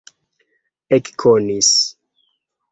ekkonis